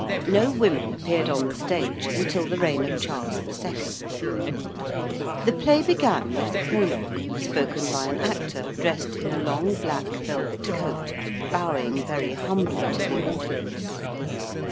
No women appeared on the stage until the reign of Charles II. The Play began with the Prologue, spoken by an actor dressed in a long black velvet coat bowing very humbly to the audience.